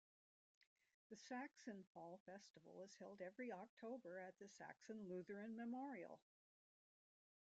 The Saxon Fall Festival is held every October at the Saxon Lutheran Memorial.